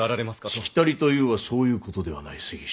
しきたりというはそういうことではない杉下。